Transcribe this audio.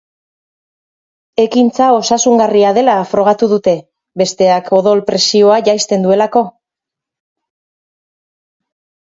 Ekintza osasungarria dela frogatu da, besteak odol presioa jeisten duelako.